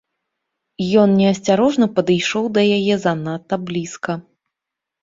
Ён неасцярожна падышоў да яе занадта блізка.